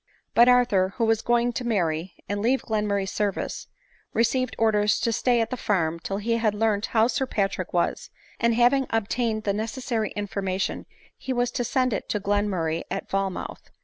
But Arthur, who was going to marry, and leave Glen murray 's service, received orders to stay at the farm till he had learnt how Sir Patrick was ; and having obtained the necessary information he was to send it to Glenmur ray at Falmouth.